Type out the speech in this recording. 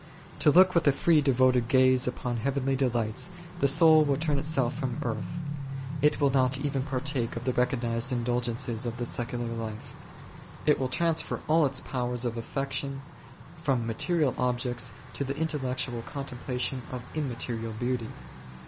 To look with a free devoted gaze upon heavenly delights, the soul will turn itself from earth ; it will not even partake of the recognized indulg ences of the secular life ; it will transfer all its powers of affection from material objects to the intellectual contemplation of immaterial beauty.